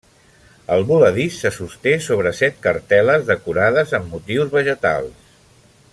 El voladís se sosté sobre set cartel·les decorades amb motius vegetals.